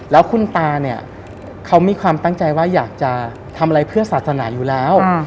แล้วคุณตาเนี่ยเขามีความตั้งใจว่าอยากจะทำอะไรเพื่อศาสนาอยู่แล้ว